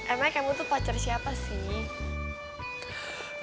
emang kamu tuh pacar siapa sih